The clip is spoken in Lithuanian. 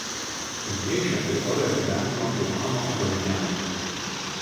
Pirmieji šią teritoriją apgyvendino Taivano aborigenai.